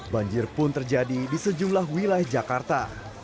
banjir pun terjadi di sejumlah wilayah jakarta